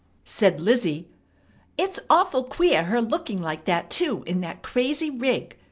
Said Lizzie: "It's awful queer, her looking like that, too, in that crazy rig!